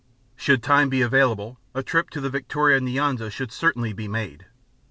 Should time be available, a trip to the Victoria Nyanza should certainly be made.